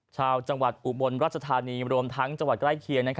ชาวจังหวัดอุบลรัชธานีรวมทั้งจังหวัดใกล้เคียง